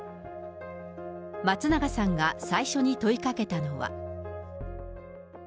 松永さんが最初に問いかけたのは。